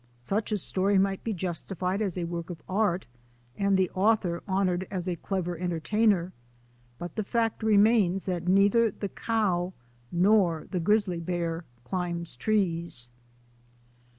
Such a story might be justified as a work of art and the author honoured as a clever entertainer, but the fact remains that neither the cow nor the grizzly bear climbs trees.